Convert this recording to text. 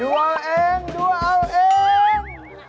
ดูเอาเองดูเอาเอง